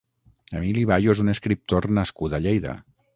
Emili Bayo és un escriptor nascut a Lleida.